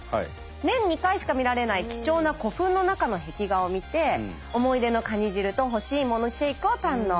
年２回しか見られない貴重な古墳の中の壁画を見て思い出のカニ汁と干しいものシェイクを堪能。